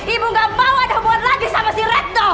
ibu gak mau ada buat lagi sama si retno